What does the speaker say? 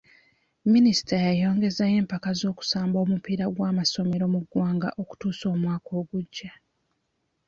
Minisita yayongezaayo empaka z'okusamba omupiira gw'amasomero mu ggwanga okutuusa omwaka ogujja .